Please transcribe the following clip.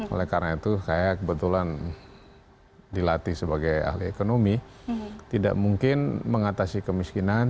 oleh karena itu saya kebetulan dilatih sebagai ahli ekonomi tidak mungkin mengatasi kemiskinan